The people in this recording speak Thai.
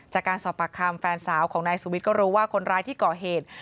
จากการสอบปากคำแฟนสาวของนายสุวิทย์ก็รู้ว่าคนร้ายที่ก่อเหตุ